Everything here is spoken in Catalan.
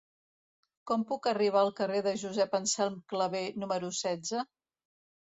Com puc arribar al carrer de Josep Anselm Clavé número setze?